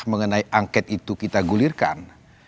mengenai angket itu kita gulirkan